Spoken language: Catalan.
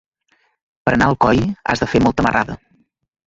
Per anar a Alcoi has de fer molta marrada.